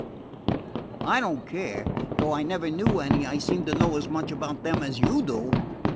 I don't care; though I never knew any, I seem to know as much about them as you do."